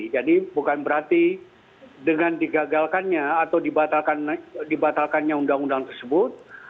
jadi bukan berarti dengan digagalkannya atau dibatalkannya undang undang tersebut